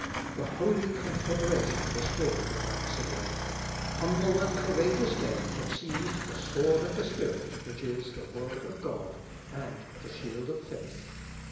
A holy confederation was formed at Einsidlen. Humble and courageous men had seized the sword of the Spirit, which is the Word of God, and the shield of faith.